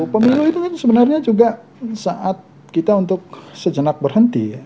pemilu itu sebenarnya juga saat kita untuk sejenak berhenti